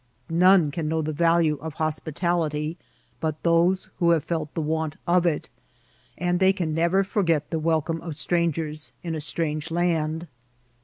None can know the value of hospitality but those who have £elt the want of it, and they can nevet. forget the welteme d stran gers in a strange land.